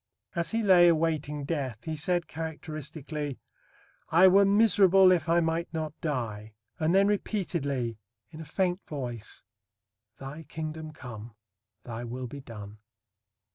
As he lay awaiting death, he said characteristically, "I were miserable if I might not die," and then repeatedly, in a faint voice, "Thy Kingdom come, Thy will be done."